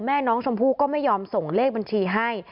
แม่น้องชมพู่ก็ไม่ยอมส่งเลขบัญชีให้